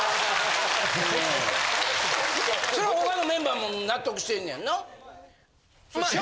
それ他のメンバーも納得してんねやんな？